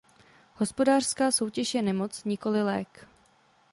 Hospodářská soutěž je nemoc, nikoli lék.